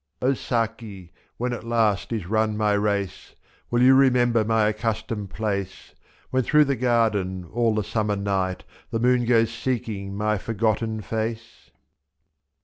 99 O Saki, when at last is run my race. Will you remember my accustomed place, IS J* When through the garden all the summer night The moon goes seeking my forgotten face